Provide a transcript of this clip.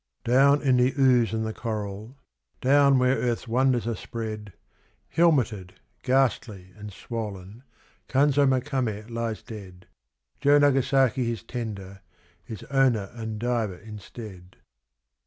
Down in the ooze and the coral, down where earth's wonders are spread, Helmeted, ghastly, and swollen, Kanzo Makame lies dead: Joe Nagasaki, his 'tender', is owner and diver instead.